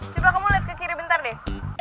coba kamu lihat ke kiri bentar deh